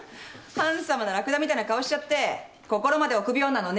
ハンサムなラクダみたいな顔しちゃって心まで臆病なのね。